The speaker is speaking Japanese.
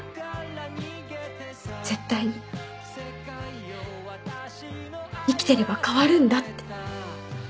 絶対に生きてれば変わるんだって。